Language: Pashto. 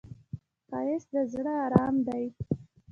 ښایست د زړه آرام دی